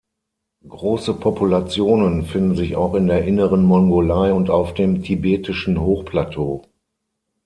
Große Populationen finden sich auch in der Inneren Mongolei und auf dem tibetischen Hochplateau.